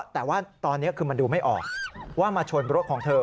แต่ว่าตอนนี้คือมันดูไม่ออกว่ามาชนรถของเธอ